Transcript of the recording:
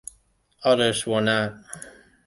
Others were not.